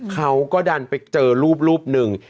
เขาก็ดันไปเจอรูปหนึ่ง